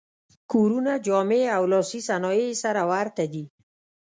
کورونه، جامې او لاسي صنایع یې سره ورته دي.